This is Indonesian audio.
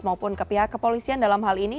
maupun ke pihak kepolisian dalam hal ini